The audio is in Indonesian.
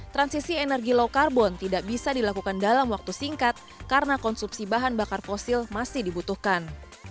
transisi energi low carbon tidak bisa dilakukan dalam waktu singkat karena konsumsi bahan bakar fosil masih dibutuhkan